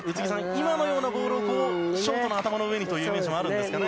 今のようなボールをショートの頭の上にというイメージもあるんですかね。